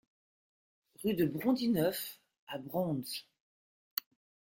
Rue de Brondineuf à Broons